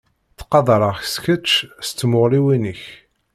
Ttqadareɣ-k s kečč s tmuɣliwin-ik.